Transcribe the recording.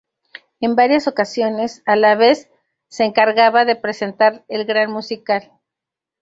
En varias ocasiones, a la vez, se encargaba de presentar el Gran Musical.